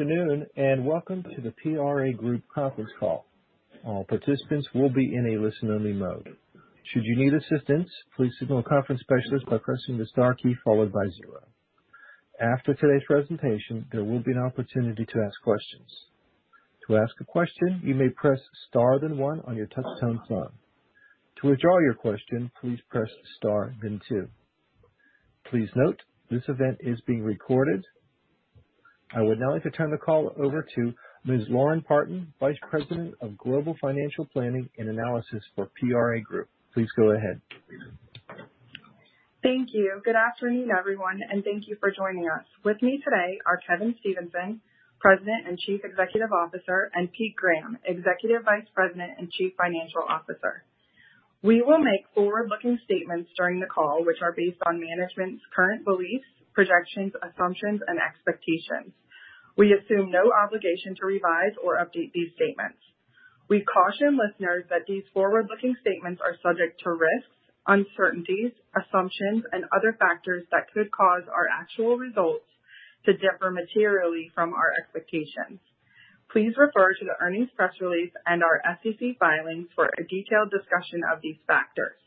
Afternoon, and welcome to the PRA Group conference call. All participants will be in a listen-only mode. Should you need assistance, please signal a conference specialist by pressing the star key followed by zero. After today's presentation, there will be an opportunity to ask questions. To ask a question, you may press star then one on your touch-tone phone. To withdraw your question, please press star then two. Please note, this event is being recorded. I would now like to turn the call over to Ms. Lauren Partin, Vice President of Global Financial Planning and Analysis for PRA Group. Please go ahead. Thank you. Good afternoon, everyone, and thank you for joining us. With me today are Kevin Stevenson, President and Chief Executive Officer, and Pete Graham, Executive Vice President and Chief Financial Officer. We will make forward-looking statements during the call, which are based on management's current beliefs, projections, assumptions, and expectations. We assume no obligation to revise or update these statements. We caution listeners that these forward-looking statements are subject to risks, uncertainties, assumptions, and other factors that could cause our actual results to differ materially from our expectations. Please refer to the earnings press release and our SEC filings for a detailed discussion of these factors.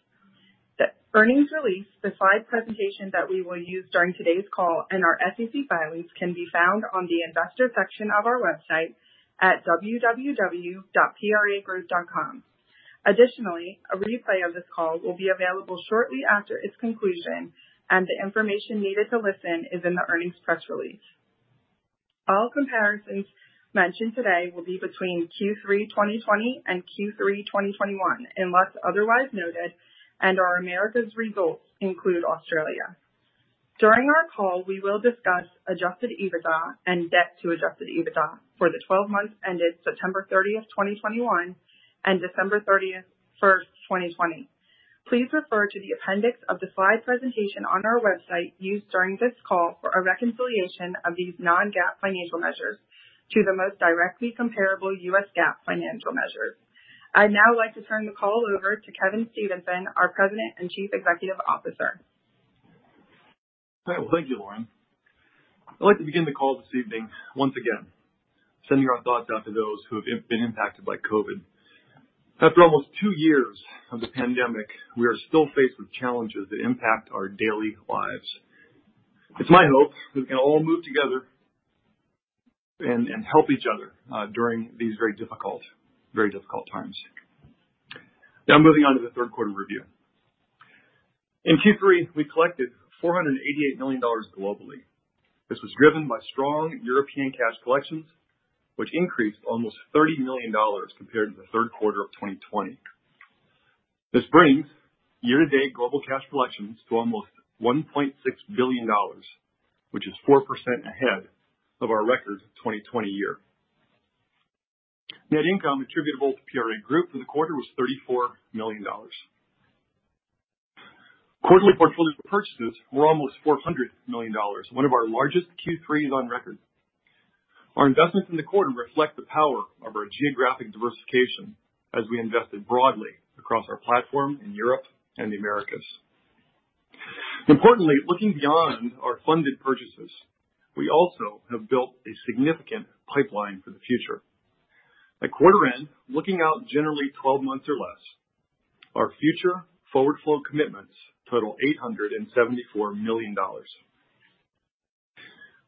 The earnings release, the slide presentation that we will use during today's call, and our SEC filings can be found on the investor section of our website at www.pragroup.com. Additionally, a replay of this call will be available shortly after its conclusion, and the information needed to listen is in the earnings press release. All comparisons mentioned today will be between Q3 2020 and Q3 2021, unless otherwise noted, and our Americas results include Australia. During our call, we will discuss adjusted EBITDA and debt to adjusted EBITDA for the twelve months ended September 30, 2021 and December 31, 2020. Please refer to the appendix of the slide presentation on our website used during this call for a reconciliation of these non-GAAP financial measures to the most directly comparable U.S. GAAP financial measures. I'd now like to turn the call over to Kevin Stevenson, our President and Chief Executive Officer. All right. Well, thank you, Lauren. I'd like to begin the call this evening once again sending our thoughts out to those who have been impacted by COVID. After almost two years of the pandemic, we are still faced with challenges that impact our daily lives. It's my hope that we can all move together and help each other during these very difficult times. Now moving on to the third quarter review. In Q3, we collected $488 million globally. This was driven by strong European cash collections, which increased almost $30 million compared to the third quarter of 2020. This brings year-to-date global cash collections to almost $1.6 billion, which is 4% ahead of our record 2020 year. Net income attributable to PRA Group for the quarter was $34 million. Quarterly portfolio purchases were almost $400 million, one of our largest Q3s on record. Our investments in the quarter reflect the power of our geographic diversification as we invested broadly across our platform in Europe and the Americas. Importantly, looking beyond our funded purchases, we also have built a significant pipeline for the future. At quarter end, looking out generally 12 months or less, our future forward flow commitments total $874 million.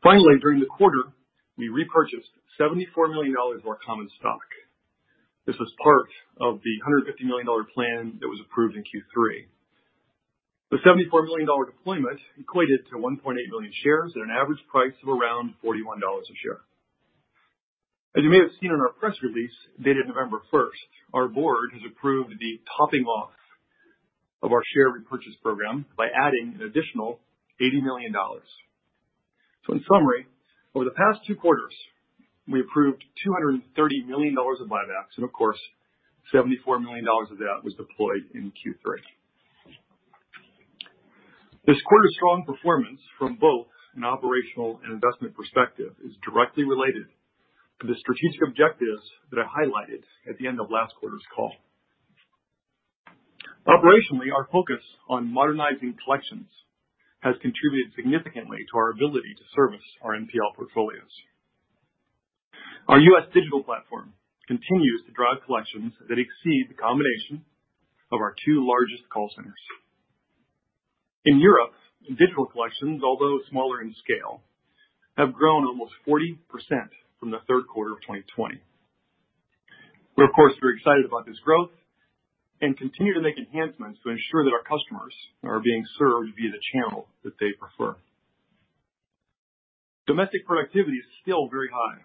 Finally, during the quarter, we repurchased $74 million of our common stock. This was part of the $150 million plan that was approved in Q3. The $74 million deployment equated to 1.8 billion shares at an average price of around $41 a share. As you may have seen in our press release dated November 1, our board has approved the topping off of our share repurchase program by adding an additional $80 million. In summary, over the past 2 quarters, we approved $230 million of buybacks. Of course, $74 million of that was deployed in Q3. This quarter's strong performance from both an operational and investment perspective is directly related to the strategic objectives that I highlighted at the end of last quarter's call. Operationally, our focus on modernizing collections has contributed significantly to our ability to service our NPL portfolios. Our U.S. digital platform continues to drive collections that exceed the combination of our 2 largest call centers. In Europe, digital collections, although smaller in scale, have grown almost 40% from the third quarter of 2020. We're of course very excited about this growth and continue to make enhancements to ensure that our customers are being served via the channel that they prefer. Domestic productivity is still very high,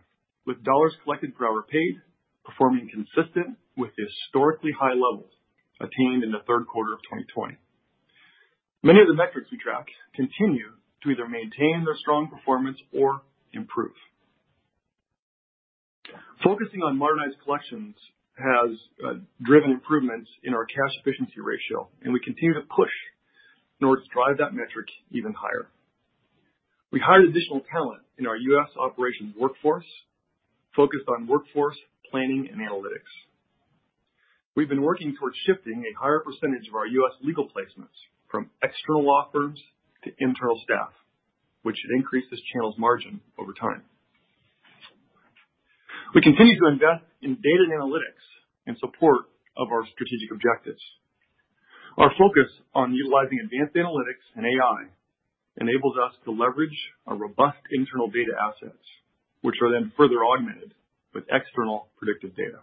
with dollars collected per hour paid performing consistent with historically high levels attained in the third quarter of 2020. Many of the metrics we track continue to either maintain their strong performance or improve. Focusing on modernized collections has driven improvements in our cash efficiency ratio, and we continue to push in order to drive that metric even higher. We hired additional talent in our U.S. operations workforce focused on workforce planning and analytics. We've been working towards shifting a higher percentage of our U.S. legal placements from external law firms to internal staff, which should increase this channel's margin over time. We continue to invest in data and analytics in support of our strategic objectives. Our focus on utilizing advanced analytics and AI enables us to leverage our robust internal data assets, which are then further augmented with external predictive data.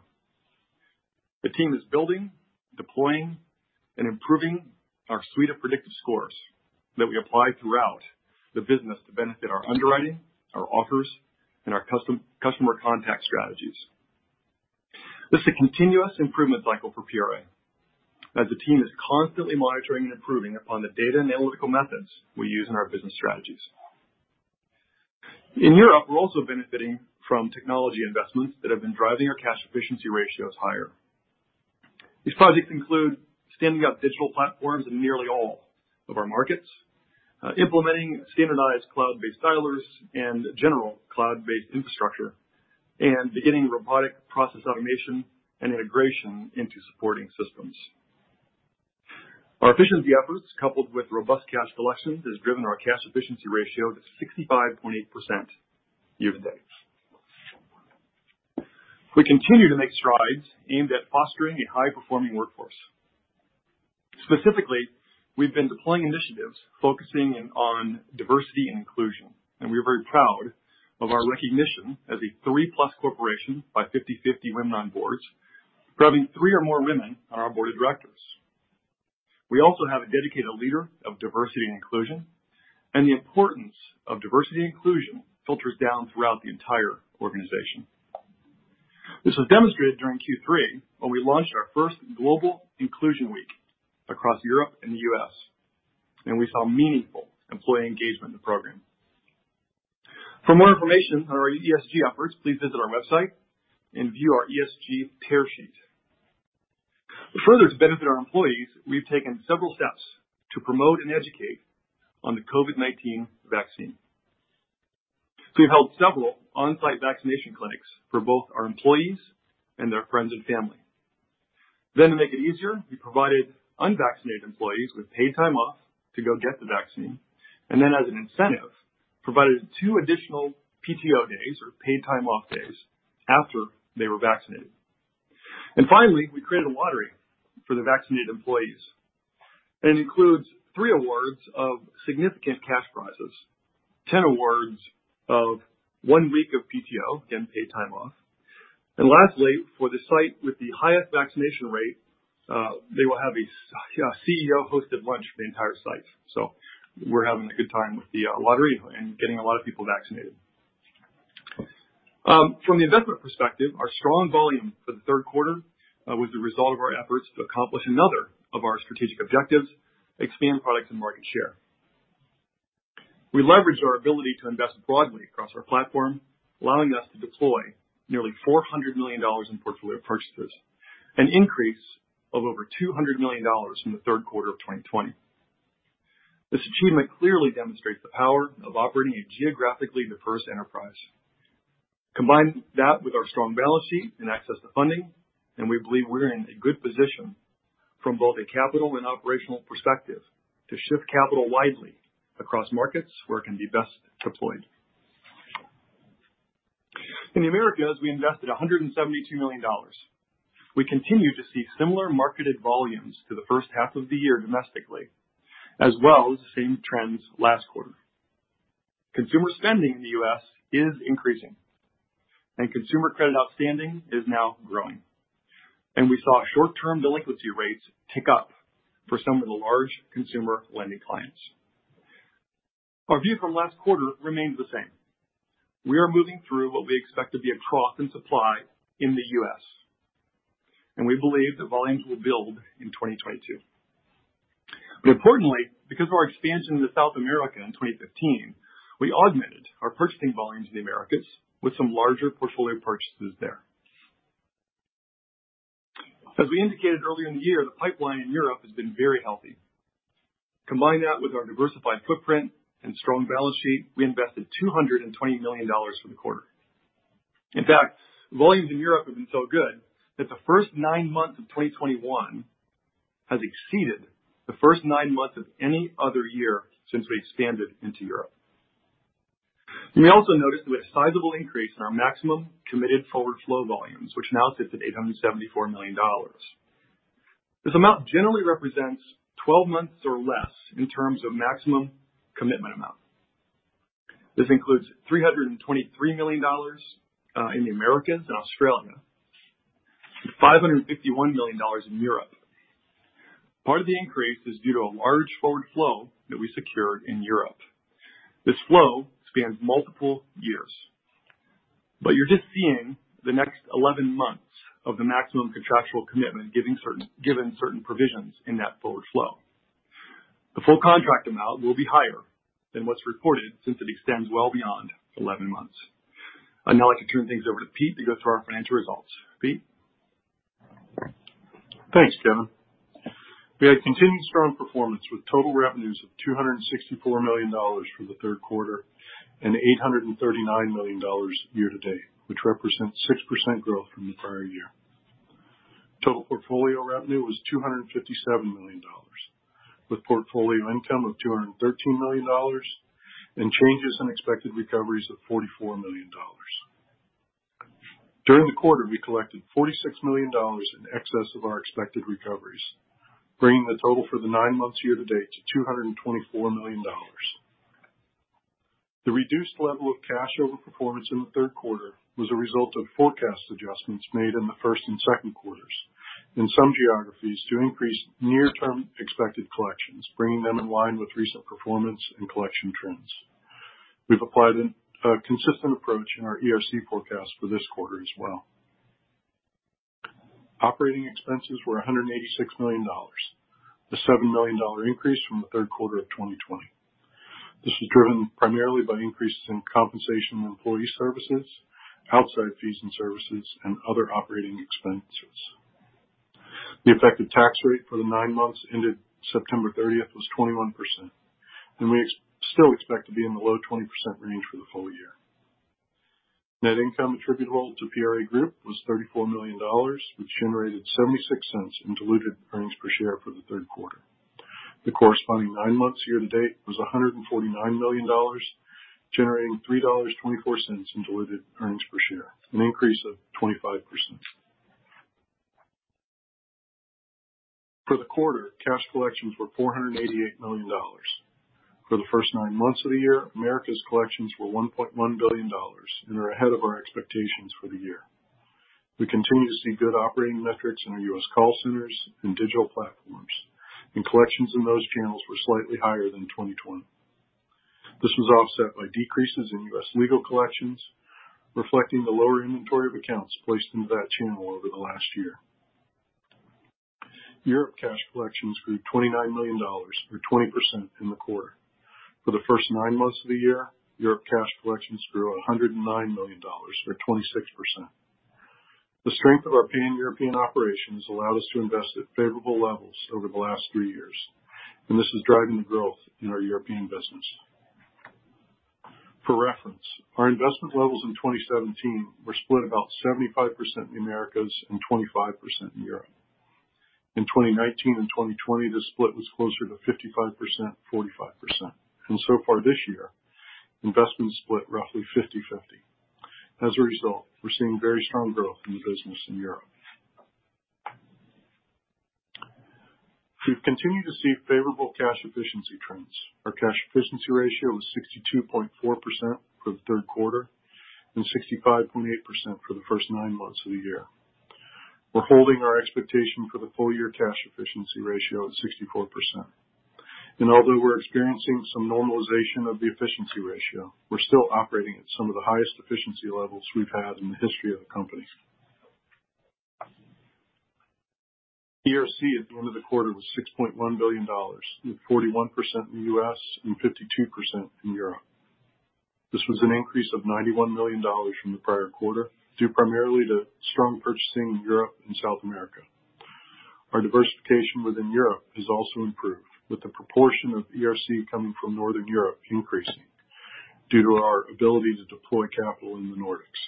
The team is building, deploying, and improving our suite of predictive scores that we apply throughout the business to benefit our underwriting, our offers, and our custom-customer contact strategies. This is a continuous improvement cycle for PRA, as the team is constantly monitoring and improving upon the data and analytical methods we use in our business strategies. In Europe, we're also benefiting from technology investments that have been driving our cash efficiency ratios higher. These projects include standing up digital platforms in nearly all of our markets, implementing standardized cloud-based dialers and general cloud-based infrastructure, and beginning robotic process automation and integration into supporting systems. Our efficiency efforts, coupled with robust cash collections, has driven our cash efficiency ratio to 65.8% year-to-date. We continue to make strides aimed at fostering a high-performing workforce. Specifically, we've been deploying initiatives focusing in on diversity and inclusion, and we are very proud of our recognition as a three-plus corporation by 50/50 Women on Boards for having three or more women on our board of directors. We also have a dedicated leader of diversity and inclusion, and the importance of diversity and inclusion filters down throughout the entire organization. This was demonstrated during Q3 when we launched our first global inclusion week across Europe and the U.S., and we saw meaningful employee engagement in the program. For more information on our ESG efforts, please visit our website and view our ESG tear sheet. Further to benefit our employees, we've taken several steps to promote and educate on the COVID-19 vaccine. We've held several on-site vaccination clinics for both our employees and their friends and family. To make it easier, we provided unvaccinated employees with paid time off to go get the vaccine, and then as an incentive, provided two additional PTO days or paid time off days after they were vaccinated. Finally, we created a lottery for the vaccinated employees. It includes three awards of significant cash prizes, 10 awards of one week of PTO, again, paid time off. Lastly, for the site with the highest vaccination rate, they will have a CEO-hosted lunch for the entire site. We're having a good time with the lottery and getting a lot of people vaccinated. From the investment perspective, our strong volume for the third quarter was the result of our efforts to accomplish another of our strategic objectives, expand products and market share. We leveraged our ability to invest broadly across our platform, allowing us to deploy nearly $400 million in portfolio purchases, an increase of over $200 million from the third quarter of 2020. This achievement clearly demonstrates the power of operating a geographically diverse enterprise. Combine that with our strong balance sheet and access to funding, and we believe we're in a good position from both a capital and operational perspective to shift capital widely across markets where it can be best deployed. In the Americas, we invested $172 million. We continue to see similar marketed volumes to the first half of the year domestically as well as the same trends last quarter. Consumer spending in the U.S., is increasing and consumer credit outstanding is now growing. We saw short-term delinquency rates tick up for some of the large consumer lending clients. Our view from last quarter remains the same. We are moving through what we expect to be a trough in supply in the U.S., and we believe that volumes will build in 2022. Importantly, because of our expansion into South America in 2015, we augmented our purchasing volumes in the Americas with some larger portfolio purchases there. As we indicated earlier in the year, the pipeline in Europe has been very healthy. Combine that with our diversified footprint and strong balance sheet, we invested $220 million for the quarter. In fact, volumes in Europe have been so good that the first nine months of 2021 has exceeded the first nine months of any other year since we expanded into Europe. You may also notice that we had a sizable increase in our maximum committed forward flow volumes, which now sits at $874 million. This amount generally represents 12 months or less in terms of maximum commitment amount. This includes $323 million in the Americas and Australia, and $551 million in Europe. Part of the increase is due to a large forward flow that we secured in Europe. This flow spans multiple years. You're just seeing the next 11 months of the maximum contractual commitment given certain provisions in that forward flow. The full contract amount will be higher than what's reported since it extends well beyond 11 months. Now I can turn things over to Pete to go through our financial results. Pete? Thanks, Kevin. We had continued strong performance with total revenues of $264 million for the third quarter and $839 million year to date, which represents 6% growth from the prior year. Total portfolio revenue was $257 million, with portfolio income of $213 million and changes in expected recoveries of $44 million. During the quarter, we collected $46 million in excess of our expected recoveries, bringing the total for the nine months year to date to $224 million. The reduced level of cash overperformance in the third quarter was a result of forecast adjustments made in the first and second quarters in some geographies to increase near-term expected collections, bringing them in line with recent performance and collection trends. We've applied a consistent approach in our ERC forecast for this quarter as well. Operating expenses were $186 million, a $7 million increase from the third quarter of 2020. This was driven primarily by increases in compensation and employee services, outside fees and services, and other operating expenses. The effective tax rate for the nine months ended September 30th was 21%, and we still expect to be in the low 20% range for the full year. Net income attributable to PRA Group was $34 million, which generated $0.76 in diluted earnings per share for the third quarter. The corresponding nine months year to date was $149 million, generating $3.24 in diluted earnings per share, an increase of 25%. For the quarter, cash collections were $488 million. For the first nine months of the year, Americas collections were $1.1 billion and are ahead of our expectations for the year. We continue to see good operating metrics in our U.S., call centers and digital platforms, and collections in those channels were slightly higher than in 2020. This was offset by decreases in U.S., legal collections, reflecting the lower inventory of accounts placed into that channel over the last year. Europe cash collections grew $29 million or 20% in the quarter. For the first nine months of the year, Europe cash collections grew $109 million or 26%. The strength of our pan-European operations allowed us to invest at favorable levels over the last three years, and this is driving the growth in our European business. For reference, our investment levels in 2017 were split about 75% in Americas and 25% in Europe. In 2019 and 2020, the split was closer to 55%, 45%. So far this year, investments split roughly 50/50. As a result, we're seeing very strong growth in the business in Europe. We've continued to see favorable cash efficiency trends. Our cash efficiency ratio was 62.4% for the third quarter and 65.8% for the first nine months of the year. We're holding our expectation for the full year cash efficiency ratio at 64%. Although we're experiencing some normalization of the efficiency ratio, we're still operating at some of the highest efficiency levels we've had in the history of the company. ERC at the end of the quarter was $6.1 billion, with 41% in the U.S.,` and 52% in Europe. This was an increase of $91 million from the prior quarter, due primarily to strong purchasing in Europe and South America. Our diversification within Europe has also improved, with the proportion of ERC coming from Northern Europe increasing due to our ability to deploy capital in the Nordics.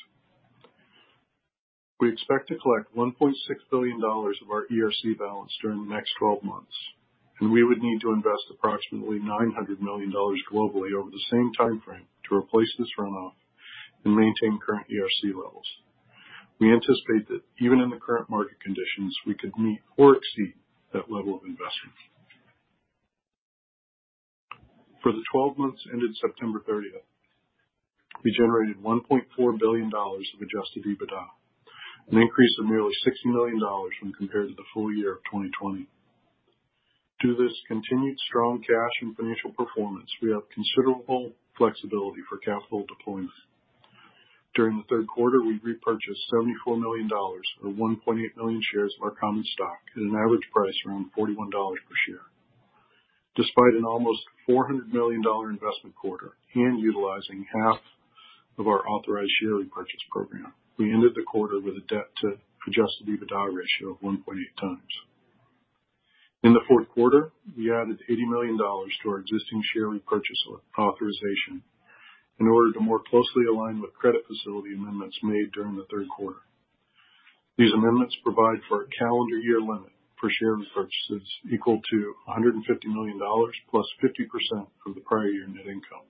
We expect to collect $1.6 billion of our ERC balance during the next twelve months, and we would need to invest approximately $900 million globally over the same timeframe to replace this runoff and maintain current ERC levels. We anticipate that even in the current market conditions, we could meet or exceed that level of investment. For the 12 months ended September 30, we generated $1.4 billion of adjusted EBITDA, an increase of nearly $60 million when compared to the full year of 2020. Through this continued strong cash and financial performance, we have considerable flexibility for capital deployment. During the third quarter, we repurchased $74 million or 1.8 million shares of our common stock at an average price around $41 per share. Despite an almost $400 million investment quarter and utilizing half of our authorized share repurchase program, we ended the quarter with a debt-to-adjusted EBITDA ratio of 1.8 times. In the fourth quarter, we added $80 million to our existing share repurchase authorization in order to more closely align with credit facility amendments made during the third quarter. These amendments provide for a calendar year limit for share repurchases equal to $150 million plus 50% of the prior year net income.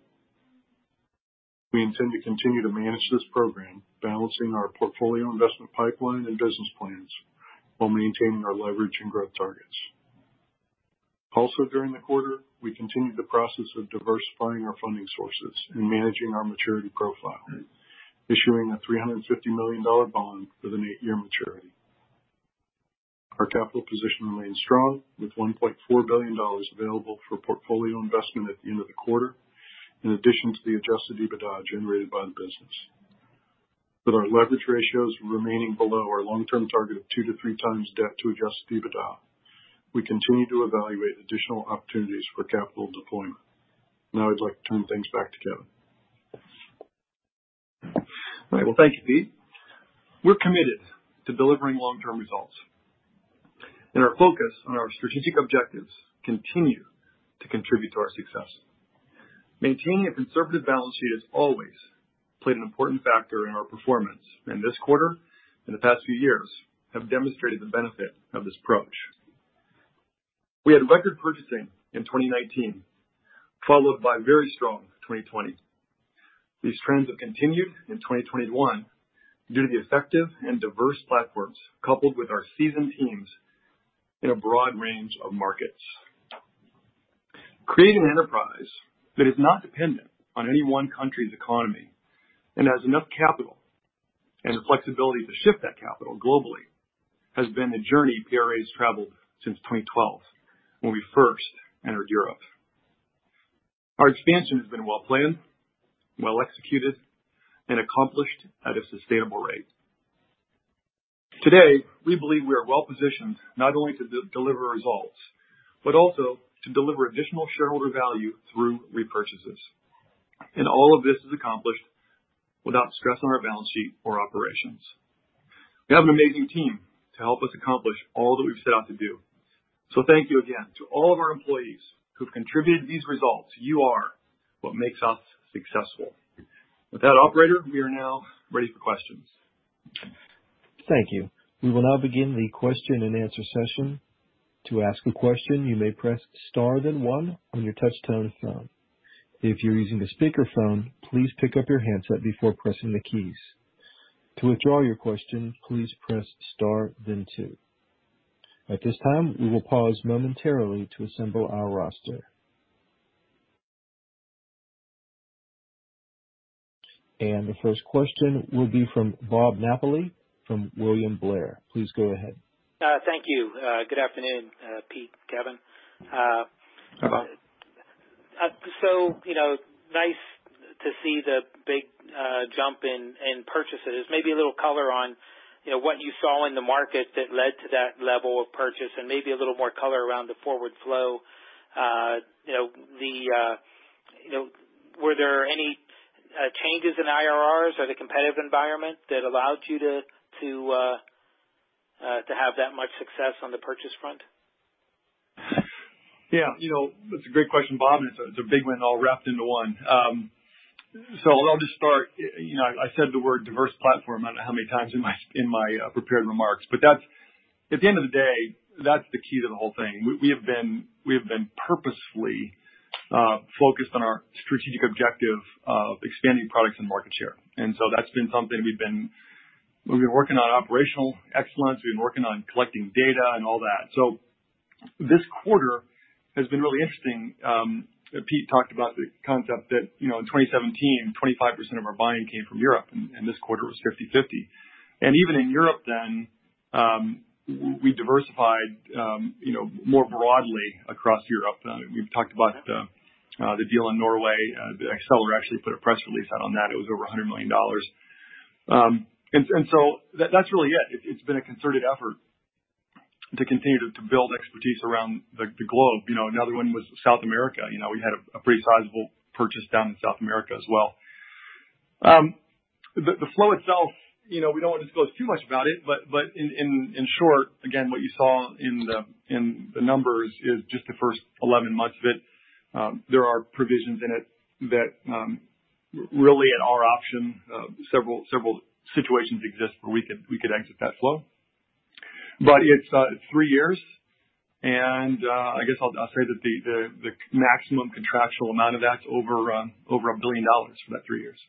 We intend to continue to manage this program, balancing our portfolio investment pipeline and business plans while maintaining our leverage and growth targets. Also, during the quarter, we continued the process of diversifying our funding sources and managing our maturity profile, issuing a $350 million bond with an 8-year maturity. Our capital position remains strong, with $1.4 billion available for portfolio investment at the end of the quarter, in addition to the adjusted EBITDA generated by the business. With our leverage ratios remaining below our long-term target of 2-3 times debt to adjusted EBITDA, we continue to evaluate additional opportunities for capital deployment. Now I'd like to turn things back to Kevin. Right. Well, thank you, Pete. We're committed to delivering long-term results. Our focus on our strategic objectives continue to contribute to our success. Maintaining a conservative balance sheet has always played an important factor in our performance. This quarter and the past few years have demonstrated the benefit of this approach. We had record purchasing in 2019, followed by very strong 2020. These trends have continued in 2021 due to the effective and diverse platforms, coupled with our seasoned teams in a broad range of markets. Creating an enterprise that is not dependent on any one country's economy and has enough capital and the flexibility to shift that capital globally has been the journey PRA has traveled since 2012, when we first entered Europe. Our expansion has been well planned, well executed, and accomplished at a sustainable rate. Today, we believe we are well positioned not only to deliver results, but also to deliver additional shareholder value through repurchases. All of this is accomplished without stress on our balance sheet or operations. We have an amazing team to help us accomplish all that we've set out to do. Thank you again to all of our employees who've contributed to these results. You are what makes us successful. With that, operator, we are now ready for questions. Thank you. We will now begin the question-and-answer session. To ask a question, you may press star then one on your touch tone phone. If you're using a speakerphone, please pick up your handset before pressing the keys. To withdraw your question, please press star then two. At this time, we will pause momentarily to assemble our roster. The first question will be from Bob Napoli from William Blair. Please go ahead. Thank you. Good afternoon, Pete, Kevin. Hi, Bob. Nice to see the big jump in purchases. Maybe a little color on what you saw in the market that led to that level of purchase and maybe a little more color around the forward flow. Were there any changes in IRRs or the competitive environment that allowed you to have that much success on the purchase front? Yeah, you know, that's a great question, Bob, and it's a big one all wrapped into one. I'll just start. You know, I said the word diverse platform, I don't know how many times in my prepared remarks, but that's. At the end of the day, that's the key to the whole thing. We have been purposefully focused on our strategic objective of expanding products and market share. That's been something we've been working on. We've been working on operational excellence. We've been working on collecting data and all that. This quarter has been really interesting. Pete talked about the concept that, you know, in 2017, 25% of our buying came from Europe, and this quarter was 50/50. Even in Europe then, we diversified, you know, more broadly across Europe. We've talked about the deal in Norway. Axactor actually put a press release out on that. It was over $100 million. That's really it. It's been a concerted effort to continue to build expertise around the globe. You know, another one was South America. You know, we had a pretty sizable purchase down in South America as well. The flow itself, you know, we don't wanna disclose too much about it, but in short, again, what you saw in the numbers is just the first 11 months of it. There are provisions in it that really at our option, several situations exist where we could exit that flow. It's three years. I guess I'll say that the maximum contractual amount of that's over $1 billion for that three years.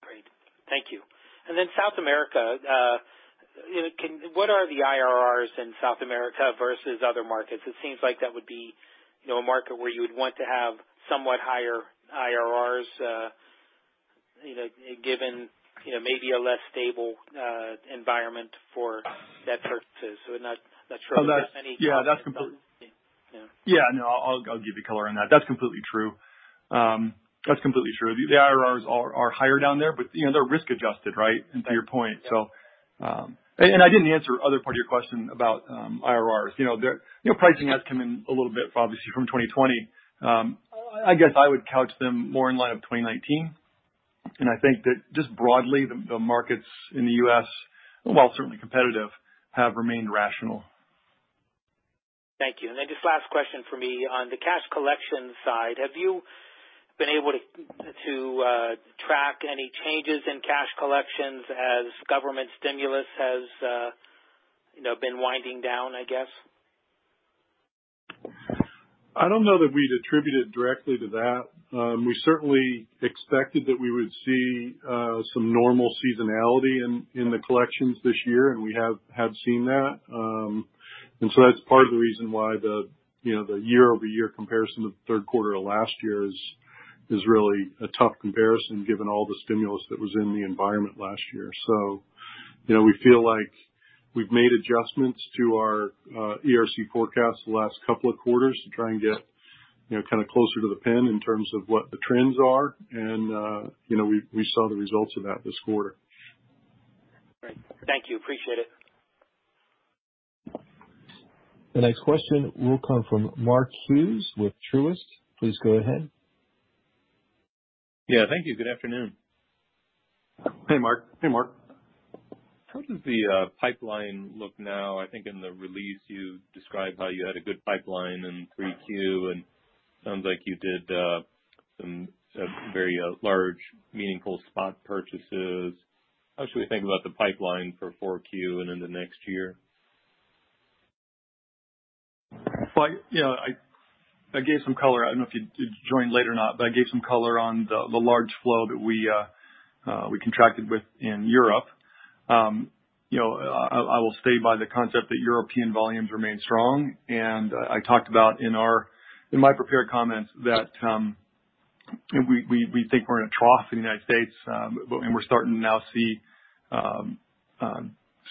Great. Thank you. South America. What are the IRRs in South America versus other markets? It seems like that would be, you know, a market where you would want to have somewhat higher IRRs, you know, given, you know, maybe a less stable environment for that purchase. Not sure if there's any- Yeah, that's completely. Yeah. Yeah, no, I'll give you color on that. That's completely true. The IRRs are higher down there, but you know, they're risk adjusted, right? To your point. I didn't answer the other part of your question about IRRs. You know, the pricing has come in a little bit, obviously, from 2020. I guess I would couch them more in line of 2019. I think that just broadly, the markets in the U.S., while certainly competitive, have remained rational. Thank you. Just last question from me. On the cash collection side, have you been able to track any changes in cash collections as government stimulus has you know, been winding down, I guess? I don't know that we'd attribute it directly to that. We certainly expected that we would see some normal seasonality in the collections this year, and we have seen that. That's part of the reason why the year-over-year comparison to the third quarter of last year is really a tough comparison given all the stimulus that was in the environment last year. We feel like we've made adjustments to our ERC forecast the last couple of quarters to try and get kind of closer to the pin in terms of what the trends are. You know, we saw the results of that this quarter. Great. Thank you. Appreciate it. The next question will come from Mark Hughes with Truist Securities. Please go ahead. Yeah. Thank you. Good afternoon. Hey, Mark. Hey, Mark. How does the pipeline look now? I think in the release you described how you had a good pipeline in 3Q, and sounds like you did some very large, meaningful spot purchases. How should we think about the pipeline for 4Q and in the next year? Well, yeah, I gave some color. I don't know if you joined late or not, but I gave some color on the large flow that we contracted with in Europe. You know, I will stand by the concept that European volumes remain strong. I talked about in my prepared comments that we think we're in a trough in the United States, but we're starting to now see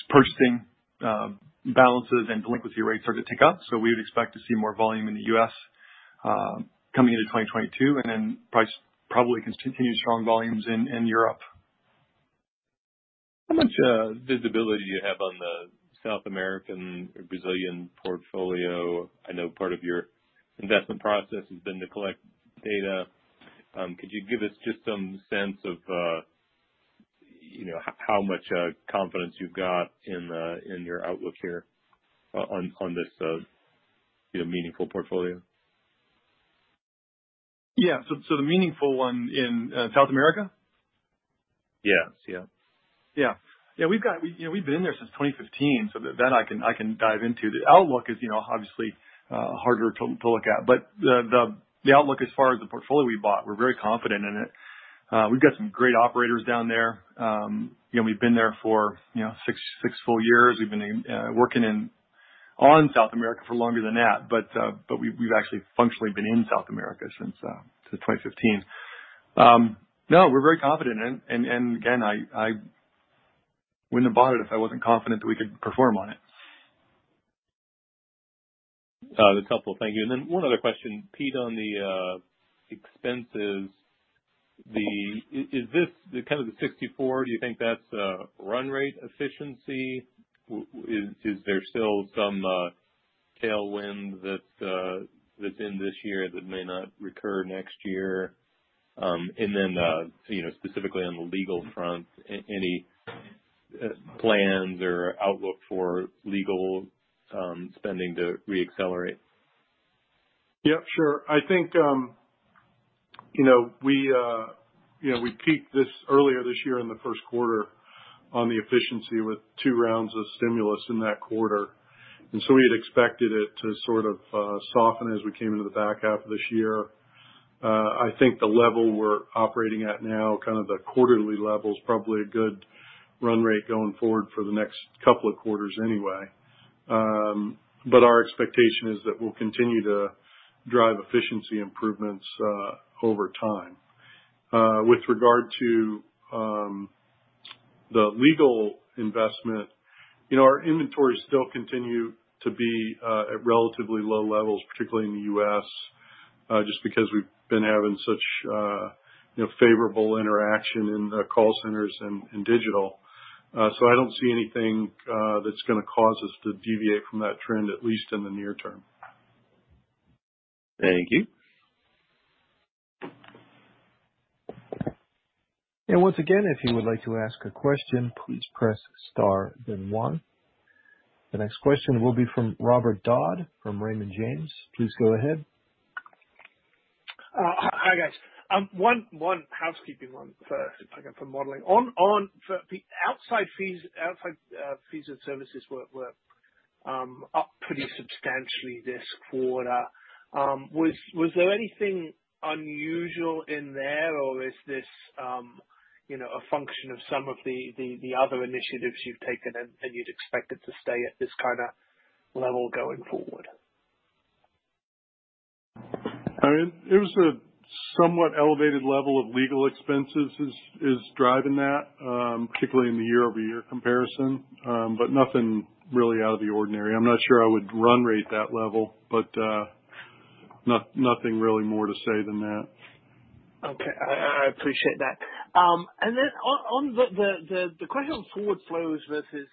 purchasing balances and delinquency rates are to tick up. We would expect to see more volume in the U.S. coming into 2022, and then probably continue strong volumes in Europe. How much visibility do you have on the South American, Brazilian portfolio? I know part of your investment process has been to collect data. Could you give us just some sense of, you know, how much confidence you've got in your outlook here on this, you know, meaningful portfolio? Yeah. The meaningful one in South America? Yes. Yeah. Yeah. Yeah, you know, we've been there since 2015, so that I can dive into. The outlook is, you know, obviously, harder to look at. The outlook as far as the portfolio we bought, we're very confident in it. We've got some great operators down there. You know, we've been there for, you know, six full years. We've been working on South America for longer than that. We've actually functionally been in South America since 2015. No, we're very confident. Again, I wouldn't have bought it if I wasn't confident that we could perform on it. That's helpful. Thank you. One other question, Pete, on the expenses. Is this the 64-dollar question? Do you think that's run rate efficiency? Is there still some tailwind that's in this year that may not recur next year? You know, specifically on the legal front, any plans or outlook for legal spending to re-accelerate? Yep, sure. I think, you know, we peaked this earlier this year in the first quarter on the efficiency with two rounds of stimulus in that quarter. We had expected it to sort of soften as we came into the back half of this year. I think the level we're operating at now, kind of the quarterly level, is probably a good run rate going forward for the next couple of quarters anyway. Our expectation is that we'll continue to drive efficiency improvements over time. With regard to the legal investment, you know, our inventories still continue to be at relatively low levels, particularly in the U.S., just because we've been having such you know, favorable interaction in the call centers and digital. I don't see anything that's gonna cause us to deviate from that trend, at least in the near term. Thank you. Once again, if you would like to ask a question, please press star then one. The next question will be from Robert Dodd from Raymond James. Please go ahead. Hi guys. One housekeeping item first, if I can, for modeling. For the outside fees and services were up pretty substantially this quarter. Was there anything unusual in there, or is this, you know, a function of some of the other initiatives you've taken and you'd expect it to stay at this kinda level going forward? I mean, it was a somewhat elevated level of legal expenses is driving that, particularly in the year-over-year comparison, but nothing really out of the ordinary. I'm not sure I would run rate that level, but, nothing really more to say than that. Okay. I appreciate that. On the question on forward flows versus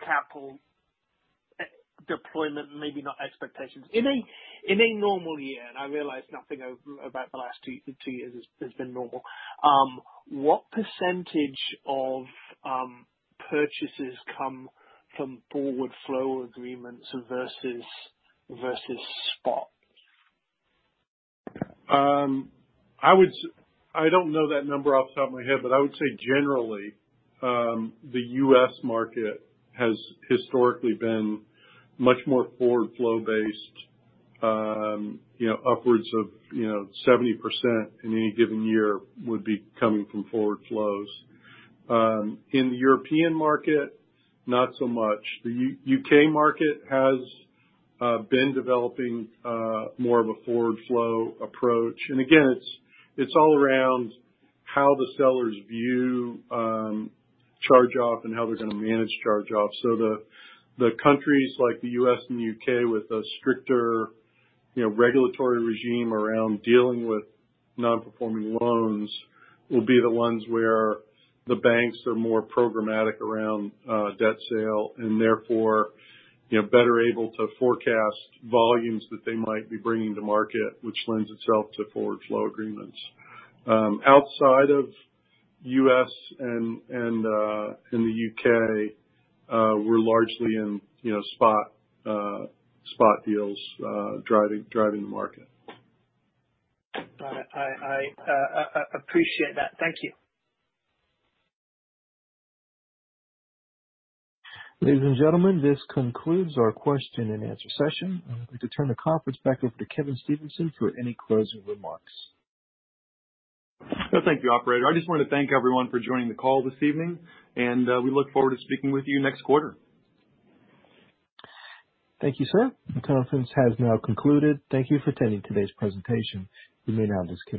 capital deployment, maybe not expectations. In a normal year, and I realize nothing about the last two years has been normal, what percentage of purchases come from forward flow agreements versus spot? I don't know that number off the top of my head, but I would say generally, the U.S. market has historically been much more forward flow based. You know, upwards of 70% in any given year would be coming from forward flows. In the European market, not so much. The U.K. market has been developing more of a forward flow approach. Again, it's all around how the sellers view charge-off and how they're gonna manage charge-off. The countries like the U.S., and U.K., with a stricter regulatory regime around dealing with nonperforming loans will be the ones where the banks are more programmatic around debt sale, and therefore, you know, better able to forecast volumes that they might be bringing to market, which lends itself to forward flow agreements. Outside of the U.S., and in the U.K., we're largely in, you know, spot deals driving the market. Got it. I appreciate that. Thank you. Ladies and gentlemen, this concludes our question and answer session. I'd like to turn the conference back over to Kevin Stevenson for any closing remarks. Well, thank you, operator. I just want to thank everyone for joining the call this evening, and we look forward to speaking with you next quarter. Thank you, sir. The conference has now concluded. Thank you for attending today's presentation. You may now disconnect.